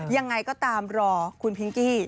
ยังไงก็ตามรอคุณพิงกี้